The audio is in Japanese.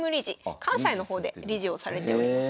関西の方で理事をされております。